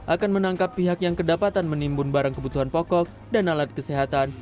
akan menangkap pihak yang kedapatan menimbun barang kebutuhan pokok dan alat kesehatan